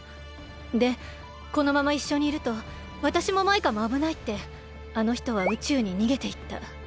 でこのままいっしょにいるとわたしもマイカもあぶないってあのひとは宇宙ににげていった。